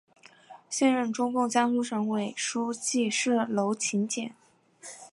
现任中共江苏省委书记是娄勤俭。